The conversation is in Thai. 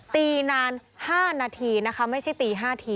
ตีนาน๕นาทีนะคะไม่ใช่ตี๕ที